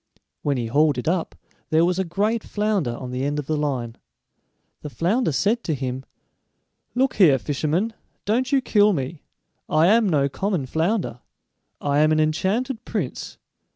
When he hauled it up there was a great flounder on the end of the line. The flounder said to him: "Look here, fisherman, don't you kill me; I am no common flounder, I am an enchanted prince!